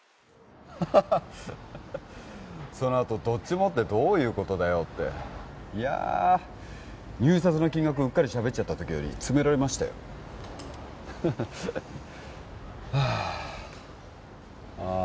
ハハハそのあとどっちもってどういうことだよっていやあ入札の金額うっかり喋っちゃった時より詰められましたよハハハはあああ